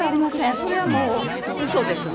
それはもう、うそですね。